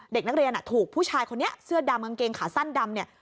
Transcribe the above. เด็กนักเรียนถูกผู้ชายคนนี้เสื้อดำกางเกงขาสั้นดำเนี่ย